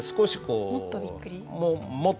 もっとびっくり？